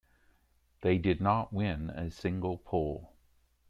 They did not win a single poll.